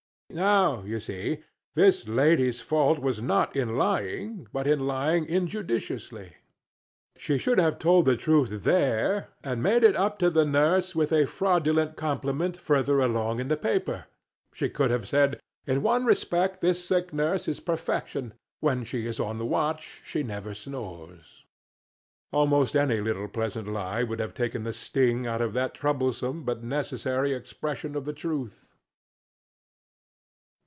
Now, you see, this lady's fault was not in lying, but in lying injudiciously. She should have told the truth, there, and made it up to the nurse with a fraudulent compliment further along in the paper. She could have said, "In one respect this sick nurse is perfection when she is on the watch, she never snores." Almost any little pleasant lie would have taken the sting out of that troublesome but necessary expression of the truth.